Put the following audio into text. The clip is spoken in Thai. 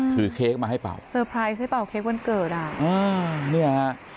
คือเค้กมาให้เปล่าเซอแพรสให้เปล่าเค้กวันเกิดอ่าเนี่ย